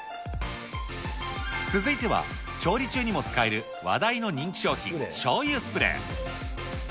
続いては、調理中にも使える話題の人気商品、しょうゆスプレー。